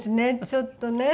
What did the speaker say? ちょっとね。